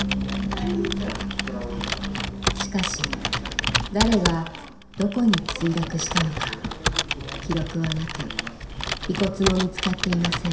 しかし誰がどこに墜落したのか記録はなく遺骨も見つかっていません。